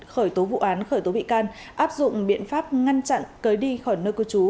khởi tố vụ án khởi tố bị can áp dụng biện pháp ngăn chặn cấm đi khỏi nơi cư trú